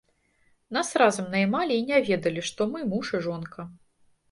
Нас разам наймалі і не ведалі, што мы муж і жонка.